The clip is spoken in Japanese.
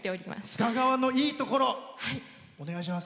須賀川のいいところお願いします。